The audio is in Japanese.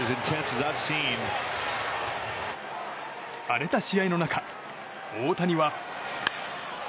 荒れた試合の中、大谷は。